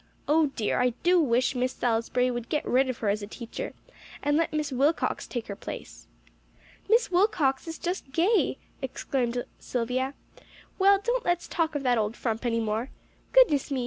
Oh dear! I do wish Miss Salisbury would get rid of her as a teacher, and let Miss Wilcox take her place." "Miss Wilcox is just gay!" exclaimed Silvia. "Well, don't let's talk of that old frump any more. Goodness me!